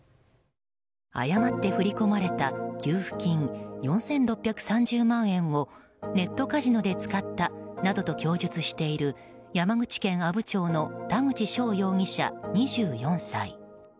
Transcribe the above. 誤って振り込まれた給付金４６３０万円をネットカジノで使ったなどと供述している山口県阿武町の田口翔容疑者、２４歳。